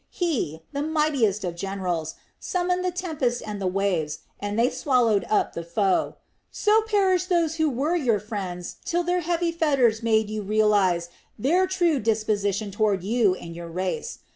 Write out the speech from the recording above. He, the mightiest of generals, summoned the tempest and the waves, and they swallowed up the foe. So perished those who were your friends till their heavy fetters made you realize their true disposition toward you and your race.